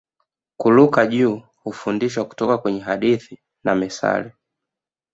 Kuruka juu hufundishwa kutoka kwenye hadithi na mithali